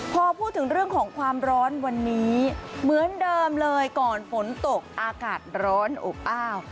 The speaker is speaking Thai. พอพูดถึงเรื่องของความร้อนวันนี้เหมือนเดิมเลยก่อนฝนตกอากาศร้อนอบอ้าว